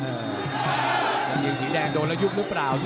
เอออ้าวเดินเรียงสีแดงโดนแล้วยุบรู้ป่ด